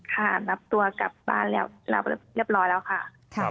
ค่ะนับตัวกับบ้านเรียบร้อยแล้วค่ะ